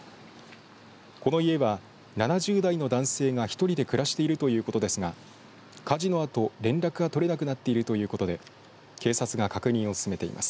この家は７０代の男性が１人で暮らしているということですが火事のあと連絡が取れなくなっているということで警察が確認を進めています。